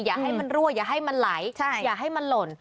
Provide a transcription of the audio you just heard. อย่าให้มันรั่วอย่าให้มันไหลอย่าให้มันหล่น